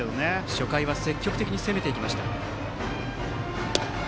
初回は積極的に攻めていきました。